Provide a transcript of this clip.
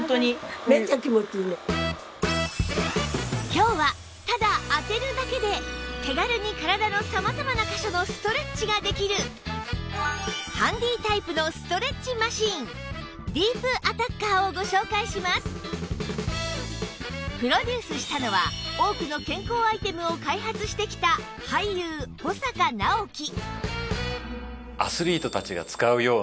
今日はただ当てるだけで手軽に体の様々な箇所のストレッチができるハンディータイプのストレッチマシンディープアタッカーをご紹介しますプロデュースしたのは多くの健康アイテムを開発してきた俳優保阪尚希